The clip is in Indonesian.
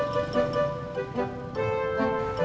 marah sama gue